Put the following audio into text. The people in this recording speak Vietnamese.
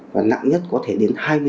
và nặng nhất có thể đến hai năm